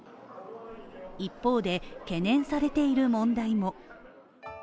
一方で、懸念されている問題も。